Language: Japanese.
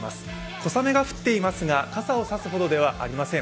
小雨が降っていますが傘を差すほどではありません。